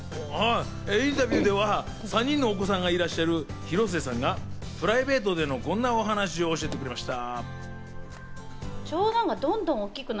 インタビューでは３人のお子さんがいらっしゃる広末さんがプライベートのこんなお話を教えてくれました。